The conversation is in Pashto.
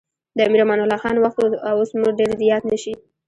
د امیر امان الله خان وخت و اوس مو ډېر یاد نه شي.